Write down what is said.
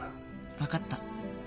分かった。